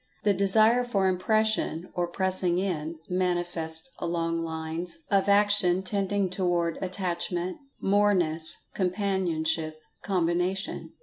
The Desire for Impression (or pressing in) manifests along lines of action tending toward Attachment, Moreness, Companionship, Combination.